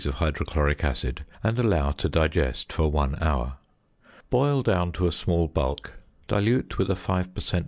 of hydrochloric acid, and allow to digest for one hour. Boil down to a small bulk, dilute with a 5 per cent.